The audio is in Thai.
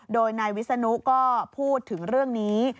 โดยนายวิศนุก็พูดถึงเรื่องนี้